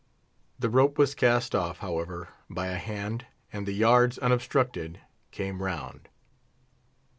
The rope was cast off, however, by a hand, and the yards unobstructed, came round.